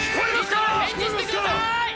いたら返事してください。